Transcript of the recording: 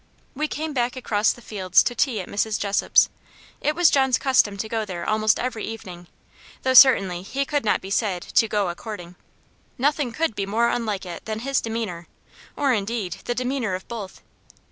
We came back across the fields to tea at Mrs. Jessop's. It was John's custom to go there almost every evening; though certainly he could not be said to "go a courting." Nothing could be more unlike it than his demeanour, or indeed the demeanour of both.